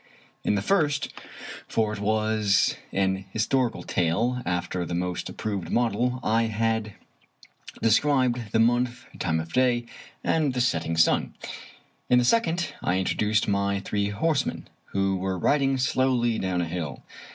In the first — for it was an historical tale after the most approved model — I had described the month, the time of day, and the setting sun. In the second, I introduced my three horsemen, who were riding slowly down a hill.